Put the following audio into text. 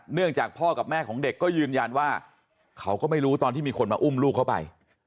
เนื่องจากพ่อกับแม่ของเด็กก็ยืนยันว่าเขาก็ไม่รู้ตอนที่มีคนมาอุ้มลูกเข้าไป